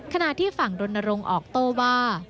ขณะที่ฝั่งดนรงค์ออกโต้ว่า